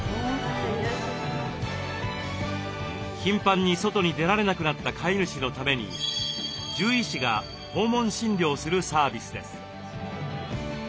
頻繁に外に出られなくなった飼い主のために獣医師が訪問診療するサービスです。